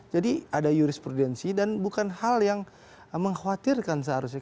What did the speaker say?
jadi ada jurisprudensi dan bukan hal yang mengkhawatirkan seharusnya